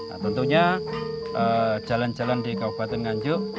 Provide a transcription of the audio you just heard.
nah tentunya jalan jalan di kabupaten nganjuk